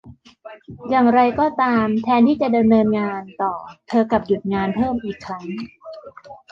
อย่างไรก็ตาม แทนที่จะดำเนินงานต่อ เธอกลับหยุดงานเพิ่มอีกครั้ง